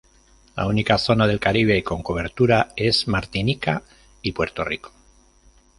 La única zona del Caribe con cobertura es Martinica y Puerto Rico.